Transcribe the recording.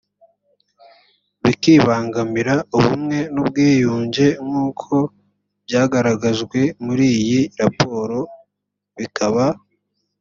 bikibangamira ubumwe n ubwiyunge nk uko byagaragajwe muri iyi raporo bikaba